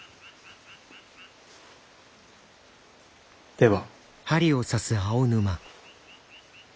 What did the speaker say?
では。